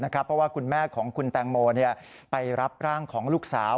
เพราะว่าคุณแม่ของคุณแตงโมไปรับร่างของลูกสาว